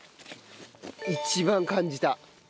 一番感じた。